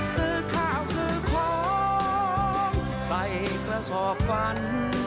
ซื้อข้าวซื้อของใส่กระสอบฟัน